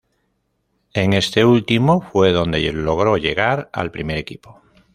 En este último fue donde logró llegar al primer equipo.